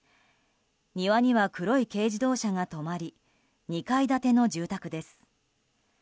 庭には黒い軽自動車が止まり２階建ての住宅です。